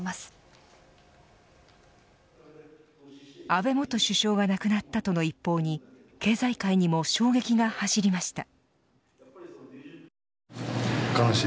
安倍元首相が亡くなったとの一報に経済界にも衝撃が走りました。